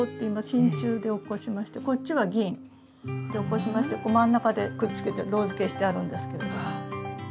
真鍮で起こしましてこっちは銀で起こしまして真ん中でくっつけてロウ付けしてあるんですけど。